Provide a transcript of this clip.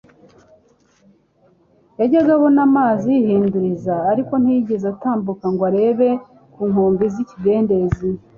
Yajyaga abona amazi yihinduriza, ariko ntiyigeze atambuka ngo arenge ku nkombe z'ikidendezi.